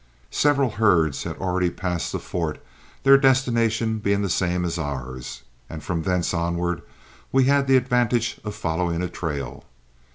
Several herds had already passed the fort, their destination being the same as ours, and from thence onward we had the advantage of following a trail.